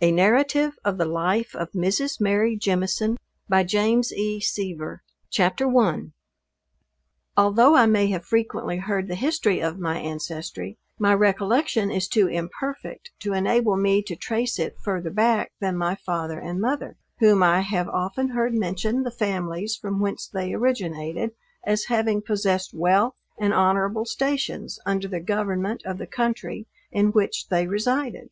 Their removal to America. Her Birth. Parents settle in Pennsylvania. Omen of her Captivity. Although I may have frequently heard the history of my ancestry, my recollection is too imperfect to enable me to trace it further back than my father and mother, whom I have often heard mention the families from whence they originated, as having possessed wealth and honorable stations under the government of the country in which they resided.